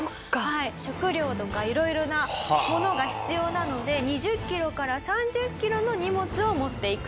食料とか色々なものが必要なので２０キロから３０キロの荷物を持っていくと。